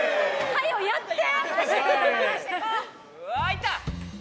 いった。